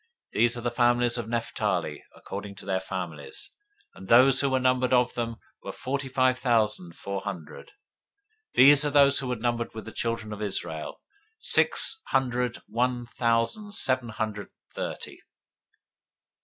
026:050 These are the families of Naphtali according to their families; and those who were numbered of them were forty five thousand four hundred. 026:051 These are those who were numbered of the children of Israel, six hundred one thousand seven hundred thirty.